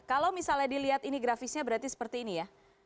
kalau misalnya dilihat ini grafisnya berarti seperti ini ya